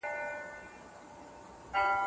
تاریخ باید د واقعیت او تخیل طرز غوره کړي.